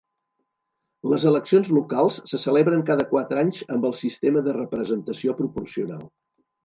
Les eleccions locals se celebren cada quatre anys amb el sistema de representació proporcional.